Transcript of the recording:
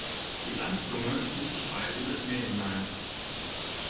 Die Landzunge zieht sich weit in das Meer hinein.